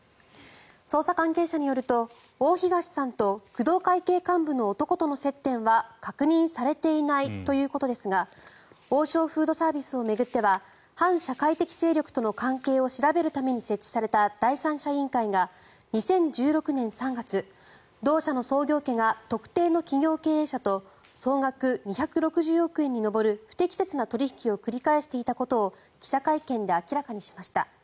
捜査関係者によると、大東さんと工藤会系幹部の男との接点は確認されていないということですが王将フードサービスを巡っては反社会的勢力との関係を調べるために設置された第三者委員会が２０１６年３月同社の創業家が特定の企業経営者と総額２６０億円に上る不適切な取引を繰り返していたことを記者会見で明らかにしました。